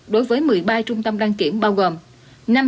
đối với một mươi ba trung tâm đăng kiểm bao gồm